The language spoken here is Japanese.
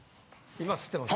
・今吸ってます。